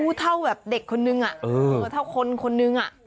อู๋เท่าเด็กคนนึงเท่าคนคนนึง